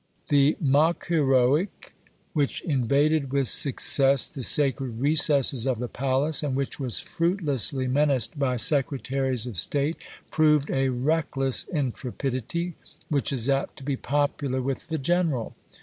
The mock heroic which invaded with success the sacred recesses of the palace, and which was fruitlessly menaced by Secretaries of State, proved a reckless intrepidity, which is apt to be popular with "the general."